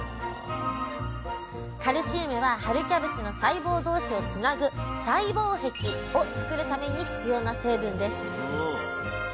カルシウムは春キャベツの細胞同士をつなぐ「細胞壁」を作るために必要な成分です。